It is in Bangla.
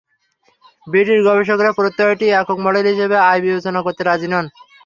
ব্রিটিশ গবেষকেরা প্রত্যয়টিকে একক মডেল হিসেবে তাই বিবেচনা করতে রাজি নন।